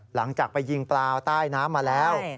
หลังจากไปยิงปลาใต้น้ำมาแล้ว